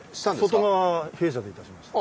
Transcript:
外側は弊社でいたしました。